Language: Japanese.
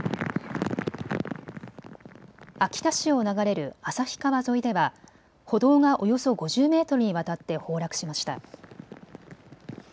秋田市を流れる旭川沿いでは歩道がおよそ５０メートルにわたって崩落しました。